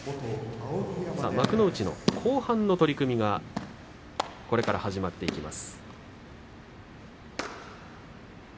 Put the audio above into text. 幕内の後半の取組がこれから始まっていきます。